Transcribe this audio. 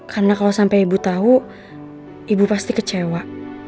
karena kalau sampai ibu tau ibu pasti kecewa